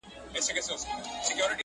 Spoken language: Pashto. ما یې لیدی پر یوه لوړه څانګه!